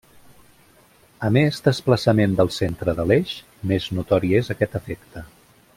A més desplaçament del centre de l'eix, més notori és aquest efecte.